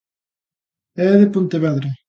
E é de Pontevedra.